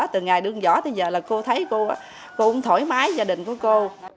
từ ngày đương giỏ tới giờ là cô thấy cô cũng thoải mái gia đình của cô